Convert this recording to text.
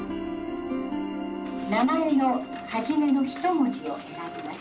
「名前の初めの１文字を選びます。